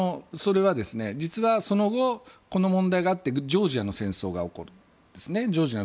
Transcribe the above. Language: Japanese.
それは実はその後、この問題があってジョージアの紛争が起こると。